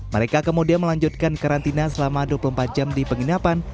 mereka kemudian melanjutkan karantina selama dua puluh empat jam di penginapan